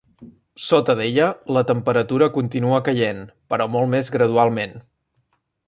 Sota d'ella, la temperatura continua caient, però molt més gradualment.